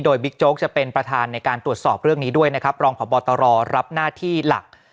โดยบิ๊กโจ๊กจะเป็นประธานในการตรวจสอบเรื่องนี้ด้วยนะครับรองพบตรรับหน้าที่หลัก